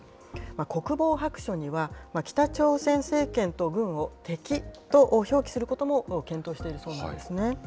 国防白書には、北朝鮮政権と軍を敵と表記することも検討しているそうなんですね。